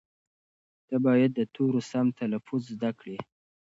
ته باید د تورو سم تلفظ زده کړې.